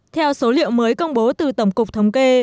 theo số liệu mới công bố từ tổng cục thống kê